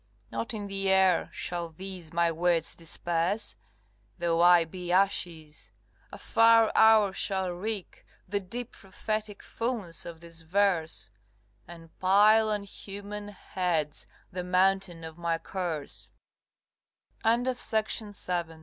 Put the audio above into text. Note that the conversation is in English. Not in the air shall these my words disperse, Though I be ashes; a far hour shall wreak The deep prophetic fulness of this verse, And pile on human heads the mountai